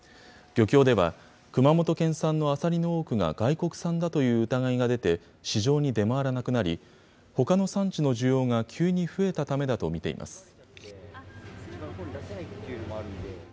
漁協では、熊本県産のあさりの多くが、外国産だという疑いが出て、市場に出回らなくなり、ほかの産地の需要が急に増えたためだと見ています。